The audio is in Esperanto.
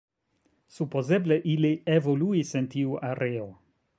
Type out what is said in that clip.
Supozeble ili evoluis en tiu areo.